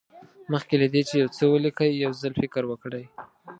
مخکې له دې چې یو څه ولیکئ یو ځل فکر وکړئ.